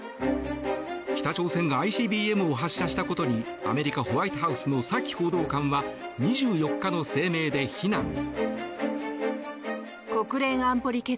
北朝鮮がＩＣＢＭを発射したことにアメリカ・ホワイトハウスのサキ報道官は２４日の声明で非難。